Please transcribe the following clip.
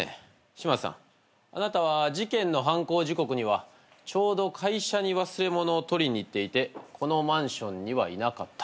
島津さんあなたは事件の犯行時刻にはちょうど会社に忘れ物を取りに行っていてこのマンションにはいなかった。